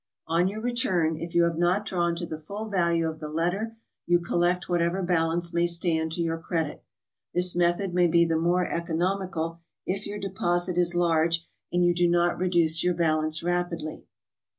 On your return, if you have not drawn to the full value of the letter, you collect whatever balance may stand to your credit. This method may be the more economical if your deposit is large and you do not reduce your balance rapidly.